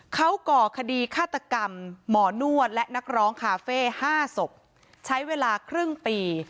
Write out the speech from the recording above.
เขาก่อคดีฆาตกรรมหมอนวดและนักร้องคาเฟ่๕ศพใช้เวลาครึ่งปี